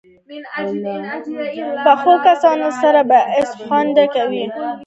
پخو کسانو سره بحث خوند کوي